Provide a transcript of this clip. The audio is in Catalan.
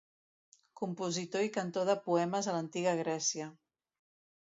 Compositor i cantor de poemes a l'antiga Grècia.